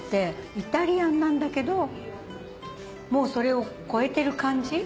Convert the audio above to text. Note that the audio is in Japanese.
イタリアンなんだけどもうそれを超えてる感じ？